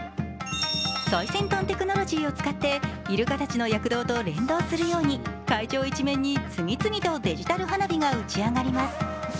最先端テクノロジーを使ってイルカたちの躍動と連動するように会場一面に次々とデジタル花火が打ち上がります。